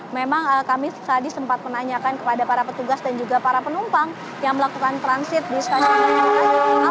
memang kami tadi sempat menanyakan kepada para petugas dan juga para penumpang yang melakukan transit di stasiun